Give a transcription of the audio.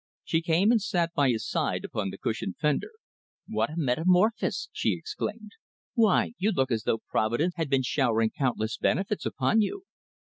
She came and sat by his side upon the cushioned fender. "What a metamorphosis!" she exclaimed. "Why, you look as though Providence had been showering countless benefits upon you."